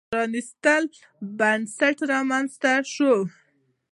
پرانېستي بنسټونه رامنځته شول.